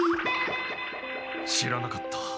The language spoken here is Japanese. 知らなかった。